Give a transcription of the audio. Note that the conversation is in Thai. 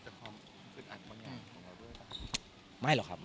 จะคลอมอึดอัดบางอย่างของเราด้วยหรอ